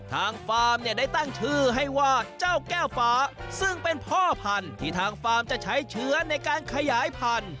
ฟาร์มเนี่ยได้ตั้งชื่อให้ว่าเจ้าแก้วฟ้าซึ่งเป็นพ่อพันธุ์ที่ทางฟาร์มจะใช้เชื้อในการขยายพันธุ